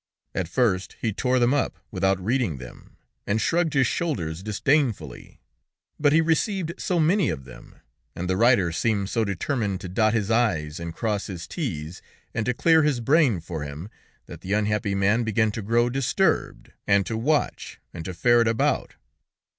At first he tore them up without reading them, and shrugged his shoulders disdainfully; but he received so many of them, and the writer seemed so determined to dot his i's and cross his t's and to clear his brain for him, that the unhappy man began to grow disturbed, and to watch and to ferret about.